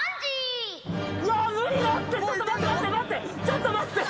ちょっと待って。